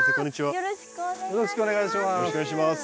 よろしくお願いします。